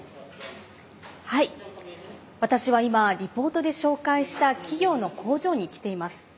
私は今、リポートで紹介した企業の工場に来ています。